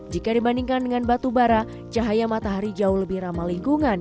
jika dibandingkan dengan batu bara cahaya matahari jauh lebih ramah lingkungan